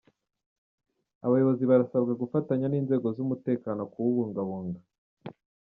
Abayobozi barasabwa gufatanya n’inzego z’umutekano kuwubungabunga